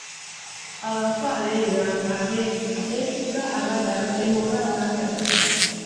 "Abafu ab'ebibamba b'ebo abeetuga, abaali abatemu oba abatazaala."